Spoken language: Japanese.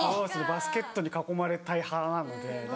バスケットに囲まれたい派なので。